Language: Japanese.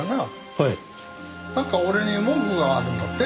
なんか俺に文句があるんだって？